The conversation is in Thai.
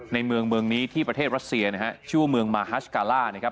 ในเมืองเมืองนี้ที่ประเทศรัสเซียนะฮะชื่อว่าเมืองมาฮัสกาล่านะครับ